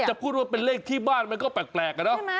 จะพูดว่าเป็นเลขที่บ้านมันก็แปลกอะเนาะ